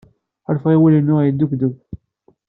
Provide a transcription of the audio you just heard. Ḥulfaɣ i wul-inu yeddegdug.